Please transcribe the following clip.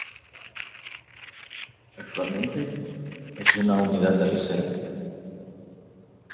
Actualmente, es una unidad de reserva.